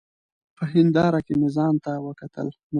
په هېنداره کي مي ځانته وکتل !